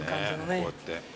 こうやって。